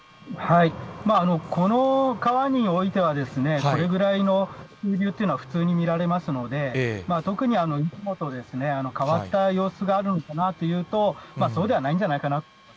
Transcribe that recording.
この川においてはですね、これぐらいの急流というのは普通に見られますので、特にいつもと変わった様子があるのかなというと、そうですか。